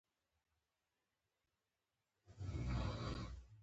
په بدو کي د ښځو ورکولو دود د شخړو د حل لپاره کارول کيږي.